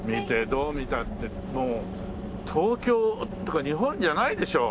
どう見たってもう東京というか日本じゃないでしょ。